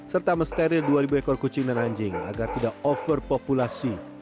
serta mensteril dua ribu ekor kucing dan anjing agar tidak overpopulasi